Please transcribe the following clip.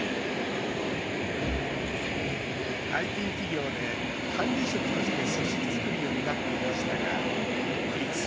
ＩＴ企業で管理職として組織作りを担っていましたが独立。